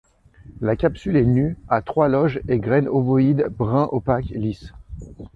La capsule est nue, à trois loges et graines ovoïdes brun opaque, lisses.